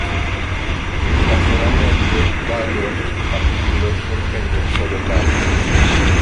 Ocasionalmente, varios capítulos surgen de un solo tallo.